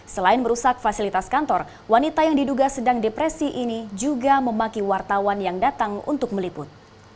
selain merusak fasilitas kantor wanita yang diduga sedang depresi ini juga memaki wartawan yang datang untuk meliput